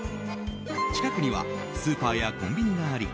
近くにはスーパーやコンビニがあり